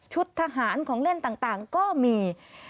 ทหารของเล่นต่างก็มี